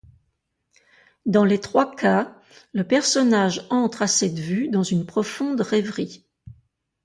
Dans les trois cas, le personnage entre à cette vue dans une profonde rêverie.